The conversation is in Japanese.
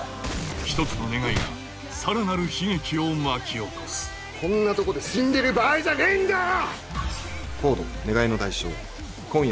１つの願いがさらなる悲劇を巻き起こすこんなとこで死んでる場合じゃねえんだよ！